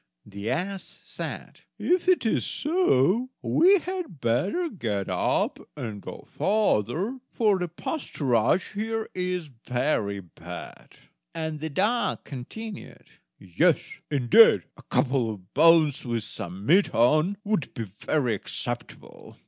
The ass said: "If it is so, we had better get up and go farther, for the pasturage here is very bad"; and the dog continued: "Yes, indeed! a couple of bones with some meat on would be very acceptable!"